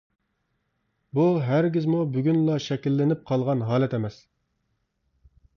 بۇ ھەرگىزمۇ بۈگۈنلا شەكىللىنىپ قالغان ھالەت ئەمەس.